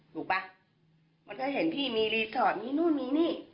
ป่ะมันก็เห็นพี่มีรีสอร์ทมีนู่นมีนี่